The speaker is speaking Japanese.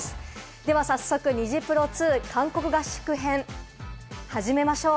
では早速ニジプロ２韓国合宿編、始めましょう。